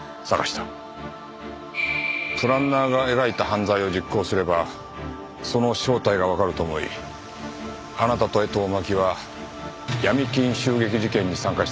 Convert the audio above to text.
プランナーが描いた犯罪を実行すればその正体がわかると思いあなたと江藤真紀は闇金襲撃事件に参加したんですね。